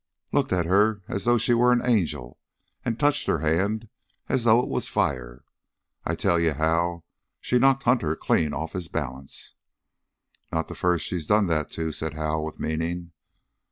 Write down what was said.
"Looked at her as though she was an angel touched her hand as though it was fire. I tell you, Hal, she knocked Hunter clean off his balance." "Not the first she's done that to," said Hal with meaning.